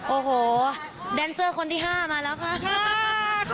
โอ้โหแดนเซอร์คนที่๕มาแล้วค่ะ